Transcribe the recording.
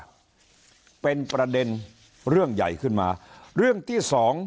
ก็เป็นประเด็นเรื่องใหญ่ขึ้นมาเรื่องที่สอง